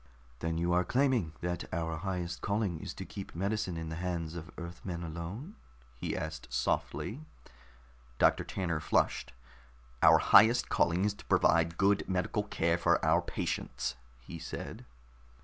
"Then you are claiming that our highest calling is to keep medicine in the hands of Earthmen alone?" he asked softly. Doctor Tanner flushed. "Our highest calling is to provide good medical care for our patients," he said.